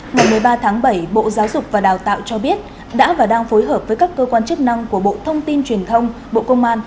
ngày một mươi ba tháng bảy bộ giáo dục và đào tạo cho biết đã và đang phối hợp với các cơ quan chức năng của bộ thông tin truyền thông bộ công an